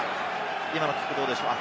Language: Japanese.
今のキックはどうでしょうか？